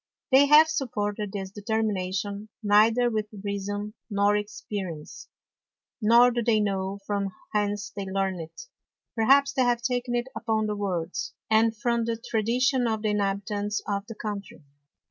They have supported this Determination neither with Reason nor Experience; nor do they know from whence they learnt it; perhaps they have taken it upon the Words, and from the Tradition of the Inhabitants of the Country.